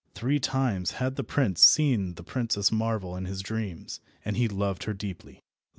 Three times had the prince seen the Princess Marvel in his dreams, and he loved her deeply.